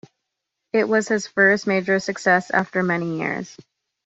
It was his first major success after many years.